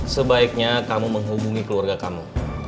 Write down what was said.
sebaiknya kamu menghubungi keluarga kamu